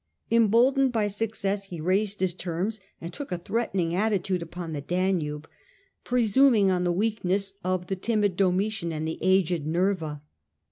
Emboldened ncJ threats succcss lic raised his terms, and took a jf^De.eVM threatening attitude upon the Danube, pre Sliming on the weakness of the timid Domitian and the aged Nerva.